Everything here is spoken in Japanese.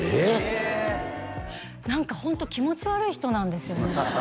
へえ何かホント気持ち悪い人なんですよね